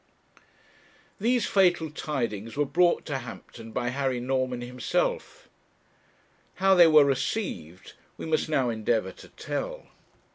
These fatal tidings were brought to Hampton by Harry Norman himself; how they were received we must now endeavour to tell.